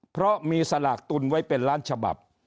เพราะมีสลากตุนไว้เป็นล้านฉบับ